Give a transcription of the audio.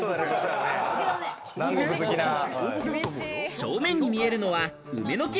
正面に見えるのは梅の木。